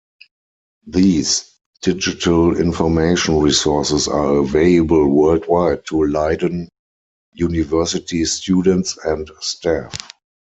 These digital information resources are available worldwide to Leiden University students and staff.